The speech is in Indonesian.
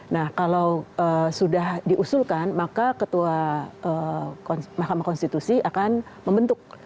nah kalau sudah diusulkan maka ketua mahkamah konstitusi akan membentuk